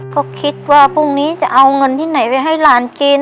ก็คิดว่าพรุ่งนี้จะเอาเงินที่ไหนไปให้หลานกิน